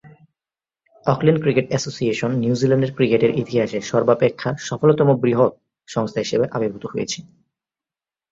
Auckland cricket association নিউজিল্যান্ডের ক্রিকেটের ইতিহাসে সর্বাপেক্ষা সফলতম বৃহৎ সংস্থা হিসেবে আবির্ভূত হয়েছে।